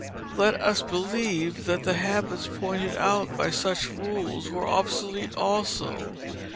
Let us believe that the habits pointed out by such rules were obsolete also.